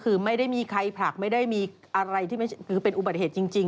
คือไม่ได้มีใครผลักไม่ได้มีอะไรที่เป็นอุบัติเหตุจริง